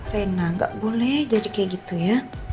reina gak boleh jadi kayak gitu ya